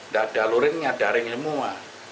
dada luringnya daringnya semua